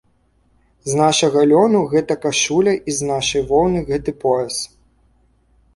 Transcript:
З нашага лёну гэта кашуля і з нашай воўны гэты пояс.